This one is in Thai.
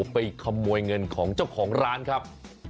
ไปขโมยเงินของเจ้าของร้านครับ